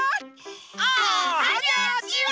おはにゃちは！